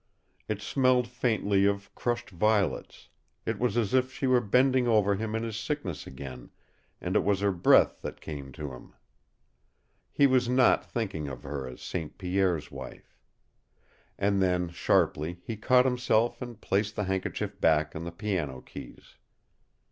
It smelled faintly of crushed violets; it was as if she were bending over him in his sickness again, and it was her breath that came to him. He was not thinking of her as St. Pierre's wife. And then sharply he caught himself and placed the handkerchief back on the piano keys.